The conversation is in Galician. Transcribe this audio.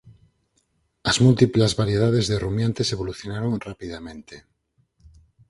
As múltiplas variedades de ruminantes evolucionaron rapidamente.